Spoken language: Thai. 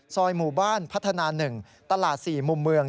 ซอยหมู่บ้านพัฒนา๑ตลาด๔มุมเมือง